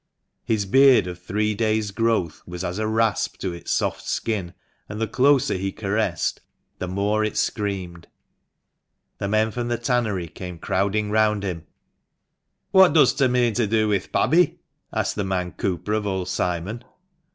His beard of three days growth was as a rasp to its soft skin, and the closer he caressed, the more it screamed. The men from the tannery came crowding round him. "What dost ta mean to do wi' th' babby?" asked the man Cooper of old Simon.